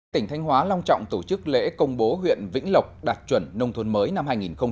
tỉnh thanh hóa long trọng tổ chức lễ công bố huyện vĩnh lộc đạt chuẩn nông thôn mới năm hai nghìn một mươi chín